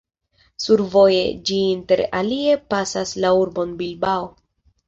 Survoje ĝi inter alie pasas la urbon Bilbao.